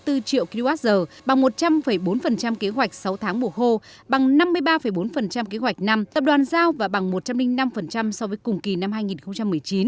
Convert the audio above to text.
bốn triệu kwh bằng một trăm linh bốn kế hoạch sáu tháng mùa hô bằng năm mươi ba bốn kế hoạch năm tập đoàn giao và bằng một trăm linh năm so với cùng kỳ năm hai nghìn một mươi chín